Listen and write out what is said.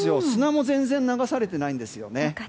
砂も全然流されていないんですよね。